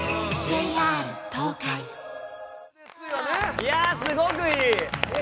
いや、すごくいい！